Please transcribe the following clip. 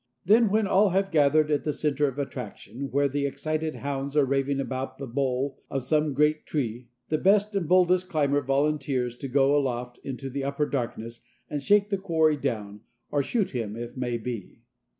Then when all have gathered at the centre of attraction, where the excited hounds are raving about the boll of some great tree, the best and boldest climber volunteers to go aloft into the upper darkness and shake the quarry down or shoot him if may be.